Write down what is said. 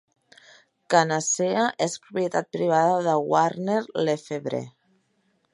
Kanacea és propietat privada de Warner Lefevre.